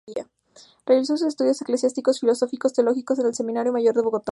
Realizó sus estudios eclesiásticos, filosóficos y teológicos en el Seminario Mayor de Bogotá.